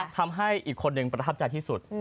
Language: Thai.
ทำให้อีกคนนึงประทับใจที่สุด